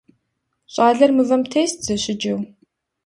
Щӏалэр мывэм тест зэщыджэу.